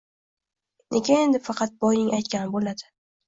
Nega endi faqat boyning aytgani bo‘ladi?